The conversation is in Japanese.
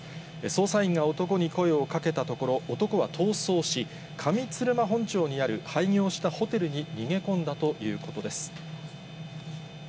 捜査員が男に声をかけたところ、男は逃走し、上鶴間本町にある廃業したホテルに逃げ込んだということです。